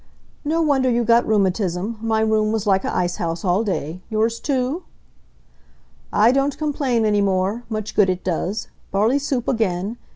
"No wonder you got rheumatism. My room was like a ice house all day. Yours too?" "I don't complain any more. Much good it does. Barley soup again?